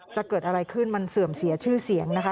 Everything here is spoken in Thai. จะเกิดอะไรขึ้นมันเสื่อมเสียชื่อเสียงนะคะ